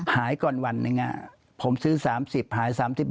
หายก่อนวันหนึ่งผมซื้อ๓๐หาย๓๐